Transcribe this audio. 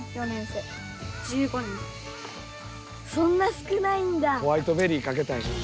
そんな少ないんだ。